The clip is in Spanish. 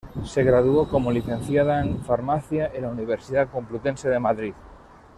Se graduó como licenciada en farmacia en la Universidad Complutense de Madrid.